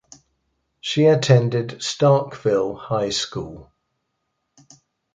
She attended Starkville High School.